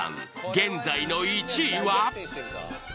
現在の１位は。